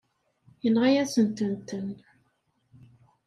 Yenɣa-yasent-ten.